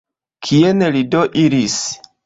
Kien li do iris?